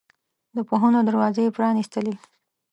د پوهنو دروازې یې پرانستلې.